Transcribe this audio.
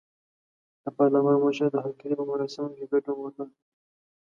د پارلمان مشر د هرکلي په مراسمو کې ګډون وکړ.